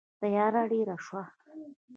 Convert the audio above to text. تیاره ډېره شوه.